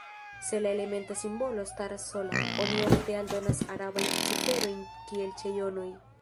Se la elementa simbolo staras sola, oni ofte aldonas arabajn ciferojn kiel ĉe jonoj.